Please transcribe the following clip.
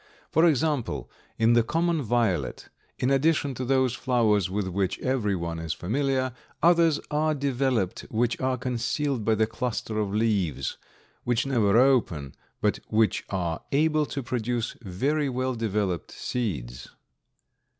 For example, in the common violet, in addition to those flowers with which everyone is familiar, others are developed which are concealed by the cluster of leaves, which never open, but which are able to produce very well developed seeds.